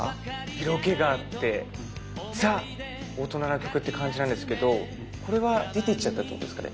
色気があってザ大人の曲って感じなんですけどこれは出て行っちゃったってことですかね？